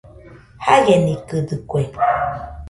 Jaienikɨdɨkue